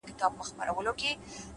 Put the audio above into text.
پوهه د غوره راتلونکي رڼا ده،